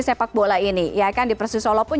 sepak bola ini ya kan di persisolo pun